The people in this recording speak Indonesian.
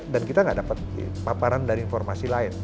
dan kita gak dapat paparan dari informasi lain